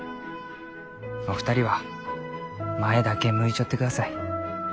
お二人は前だけ向いちょってください。